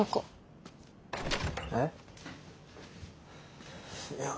えっ？